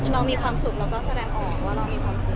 เรามีความสุขเราก็แสดงออกว่าเรามีความสุข